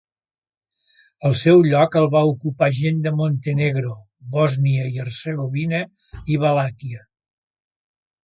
El seu lloc el va ocupar gent de Montenegro, Bòsnia i Hercegovina i Valàquia.